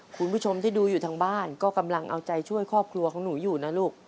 คุณผู้ชมที่ดูอยู่ทางบ้านก็กำลังเอาใจช่วยครอบครัวของหนูอยู่นะลูก